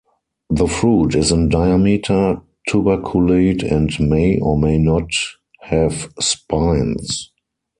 The fruit is in diameter, tuberculate, and may or may not have spines.